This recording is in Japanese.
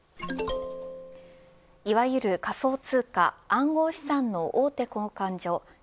いわゆる仮想通貨暗号資産の大手交換所